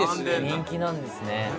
人気なんですね。